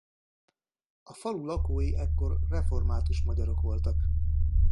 A falu lakói ekkor református magyarok voltak.